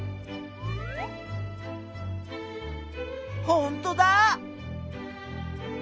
ほんとだ！